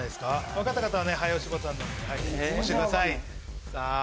分かった方は早押しボタン押してください。